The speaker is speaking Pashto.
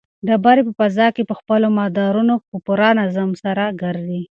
ډبرې په فضا کې په خپلو مدارونو کې په پوره نظم سره ګرځي.